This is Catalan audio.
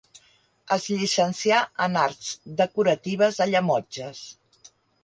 Es llicencià en arts decoratives a Llemotges.